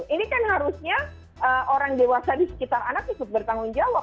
ini kan harusnya orang dewasa di sekitar anak ikut bertanggung jawab